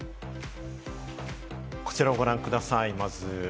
こちらをご覧ください。